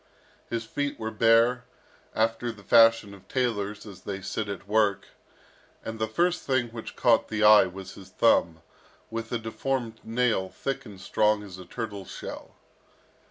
His feet were bare, after the fashion of tailors as they sit at work; and the first thing which caught the eye was his thumb, with a deformed nail thick and strong as a turtle's shell.